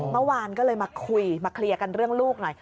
เมื่อวานก็เลยมาคุยมาเคลียร์กันเรื่องลูกหน่อย